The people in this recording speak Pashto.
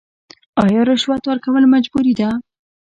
آیا رشوت ورکول مجبوري ده؟